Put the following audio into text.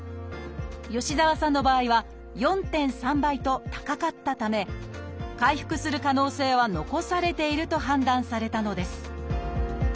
吉澤さんの場合は４．３倍と高かったため回復する可能性は残されていると判断されたのです